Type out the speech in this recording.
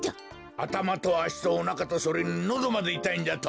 あたまとあしとおなかとそれにのどまでいたいんじゃと！？